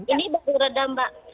ini baru reda mbak